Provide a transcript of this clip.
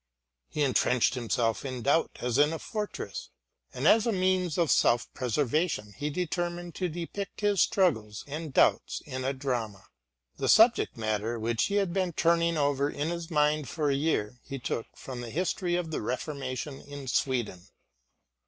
He entrenched himself in doubt as in a fortress, and as a means of self preservation he determined to depict his struggles and doubts in a drama. The subject matter which he had been turning over in his mind for a year he took from the history of the Reformation in Sweden.